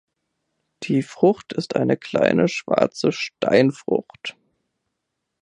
Die Frucht ist eine kleine schwarze Steinfrucht.